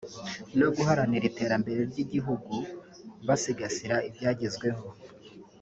no guharanira iterambere ry’igihugu basigasira ibyagezweho